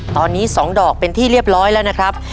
ตอนนี้๒ดอกเป็นที่เรียบร้อยแล้วนะครับ